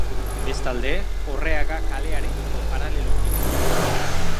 Bestalde, Orreaga kalearekiko paraleloki doa.